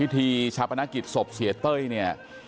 ที่ชาปนกิจศพเศรษฐเต้ยเนี่ย